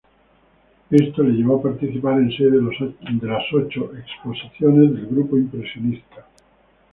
Esto le llevó a participar en seis de las ocho exposiciones del grupo impresionista.